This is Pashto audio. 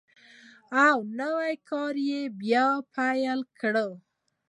او نوی کار یې بیا پیل کړ.